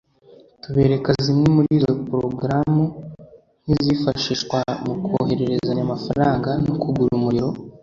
tubereka zimwe muri izo porogaramu nk’izifashishwa mu kohererezanya amafaranga no kugura umuriro